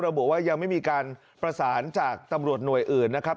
ระบุว่ายังไม่มีการประสานจากตำรวจหน่วยอื่นนะครับ